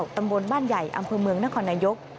ตำบลบ้านใหญ่อำเภอเมืองนครนายก